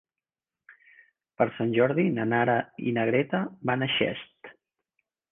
Per Sant Jordi na Nara i na Greta van a Xest.